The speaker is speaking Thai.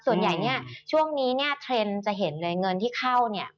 ส่วนใหญ่ช่วงนี้เทรนด์จะเห็นเลยเงินที่เข้า